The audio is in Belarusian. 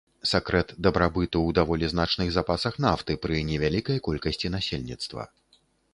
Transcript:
Сакрэт дабрабыту ў даволі значных запасах нафты пры невялікай колькасці насельніцтва.